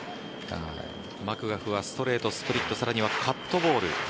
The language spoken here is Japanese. マクガフはストレート、スプリットさらにはカットボール